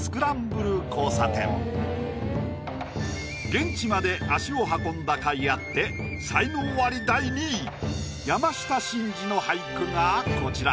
現地まで足を運んだ甲斐あって才能アリ第２位山下真司の俳句がこちら。